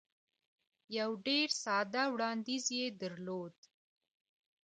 یو ډېر ساده وړاندیز یې درلود.